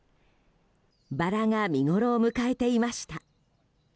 バラが見ごろを迎えていました。